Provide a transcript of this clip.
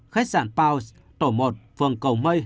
khách sạn pals tổ một phường cầu mây